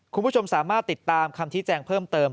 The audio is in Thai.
คุณผู้ชมสามารถติดตามคำชี้แจงเพิ่มเติม